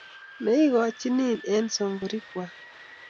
Ne igochinin eng songorikwak